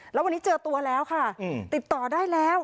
แล้ววันนี้เจอตัวแล้วค่ะติดต่อได้แล้ว